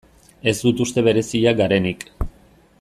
Ez dut uste bereziak garenik.